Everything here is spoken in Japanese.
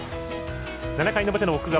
７回の表の奥川。